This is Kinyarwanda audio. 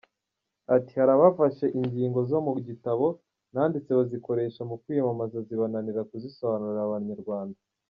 Ati “Hari abafashe ingingo zo mu gitabo nanditse bazikoresha mu kwiyamamaza zibananira kuzisobanurira Abanyarwanda.